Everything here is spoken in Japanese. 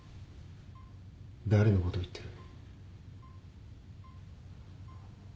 誰のことを言ってる？